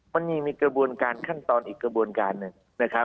มันยังมีกระบวนการขั้นตอนอีกกระบวนการหนึ่งนะครับ